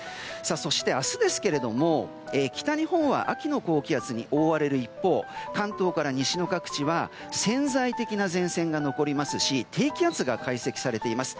そして明日ですが、北日本は秋の高気圧に覆われる一方関東から西の各地は潜在的な前線が残りますし低気圧が解析されています。